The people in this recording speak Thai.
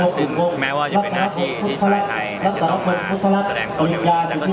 ซึ่งแม้ว่าจะเป็นหน้าที่ที่ชายไทยจะต้องมาแสดงต้นในวันนี้